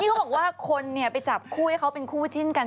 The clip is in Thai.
เขาบอกว่าคนไปจับคู่ให้เขาเป็นคู่จิ้นกัน